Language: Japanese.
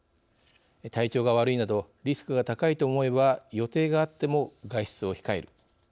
体調が悪いなどリスクが高いと思えば予定があっても外出を控える。